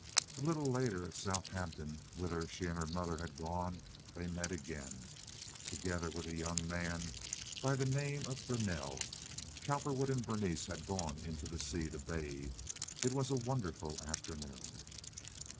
A little later, at Southampton, whither she and her mother had gone, they met again. Together with a young man by the name of Greanelle, Cowperwood and Berenice had gone into the sea to bathe. It was a wonderful afternoon.